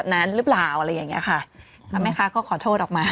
ถ้าไม่คะก็ขอโทษออกมา